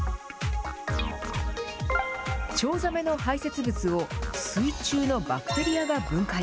チョウザメの排せつ物を水中のバクテリアが分解。